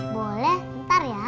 boleh ntar ya